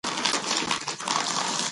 ساینس پوهانو د غږ د سرعت په اړه وویل.